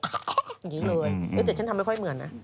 อย่างนี้เลยแต่ฉันทำไม่ค่อยเหมือนนะ